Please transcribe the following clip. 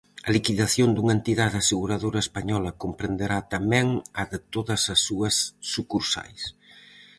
A liquidación dunha entidade aseguradora española comprenderá tamén a de todas as súas sucursais.